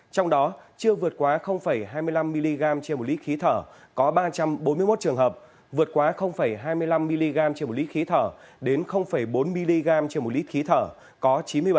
trong đó chưa vượt quá hai mươi năm mg trên một lít khí thở có ba trăm bốn mươi một trường hợp vượt quá hai mươi năm mg trên một lít khí thở đến bốn mg trên một lít khí thở có chín mươi bảy